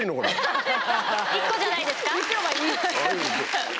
１個じゃないですか。